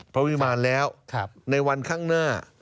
พระวิมารแล้วในวันข้างหน้า